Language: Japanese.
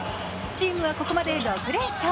チームはここまで６連勝。